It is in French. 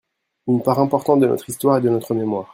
Une part importante de notre histoire et de notre mémoire.